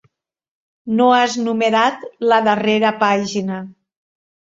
No has numerat la darrera pàgina.